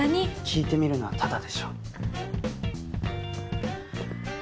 聞いてみるのはタダでしょ。